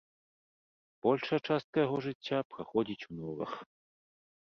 Большая частка яго жыцця праходзіць у норах.